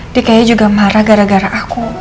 dia kayaknya juga marah gara gara aku